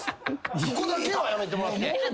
そこだけはやめてもらって。